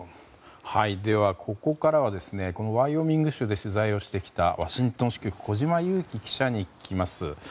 ここからはワイオミング州で取材をしてきたワシントン支局小島佑樹記者に聞きます。